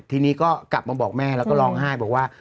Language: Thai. ทีนี้ก็กลับมาบอกแม่แล้วก็ร้องไห้บอกว่า